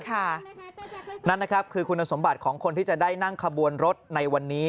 นั่นนะครับคือคุณสมบัติของคนที่จะได้นั่งขบวนรถในวันนี้